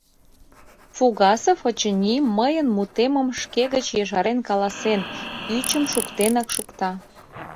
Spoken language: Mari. Фугасов, очыни, мыйын мутемым шке гыч ешарен каласен, ӱчым шуктенак шукта...